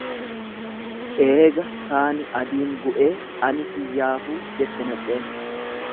"""Eega saani adiin gu'ee ani tiyyaafuu"" jette nadheen."